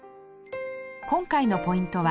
今回のポイントは